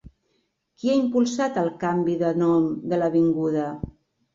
Qui ha impulsat el canvi de nom de l'avinguda?